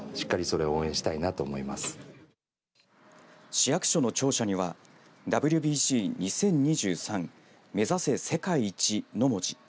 市役所の庁舎にはＷＢＣ２０２３目指せ世界一！の文字。